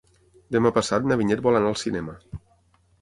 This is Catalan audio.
Demà passat na Vinyet vol anar al cinema.